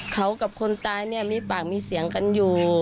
เขากับคนตายเนี่ยมีปากมีเสียงกันอยู่